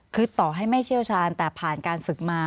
คือต่อให้ไม่เชี่ยวชาญแต่ผ่านการฝึกมา